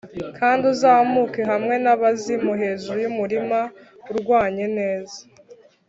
kandi uzamuke, hamwe nabazimu, hejuru yumurima urwanye neza.